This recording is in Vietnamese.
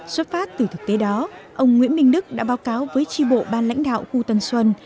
xuất phát từ thực tế đó ông nguyễn minh đức đã báo cáo với tri bộ ban lãnh đạo khu tân xuân